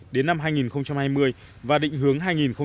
đến năm hai nghìn hai mươi và định hướng hai nghìn ba mươi